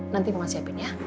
nanti mama siapin ya